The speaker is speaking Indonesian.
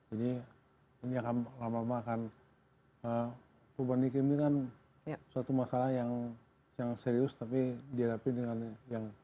ini akan lama lama akan perubahan iklim ini kan suatu masalah yang serius tapi dihadapi dengan yang